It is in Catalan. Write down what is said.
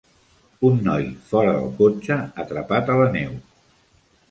Un noi fora del cotxe atrapat a la neu.